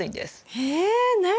え何？